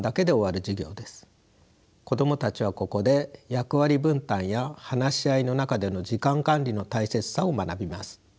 子供たちはここで役割分担や話し合いの中での時間管理の大切さを学びます。